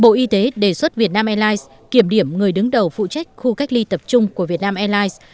bộ y tế đề xuất việt nam airlines kiểm điểm người đứng đầu phụ trách khu cách ly tập trung của việt nam airlines